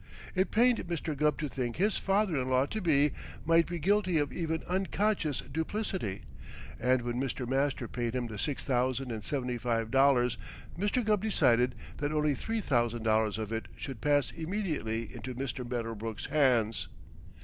It pained Mr. Gubb to think his father in law to be might be guilty of even unconscious duplicity, and when Mr. Master paid him the six thousand and seventy five dollars Mr. Gubb decided that only three thousand dollars of it should pass immediately into Mr. Medderbrook's hands.